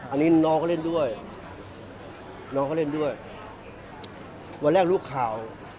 อันนี้น้องเขาเล่นด้วยน้องเขาเล่นด้วยวันแรกรู้ข่าว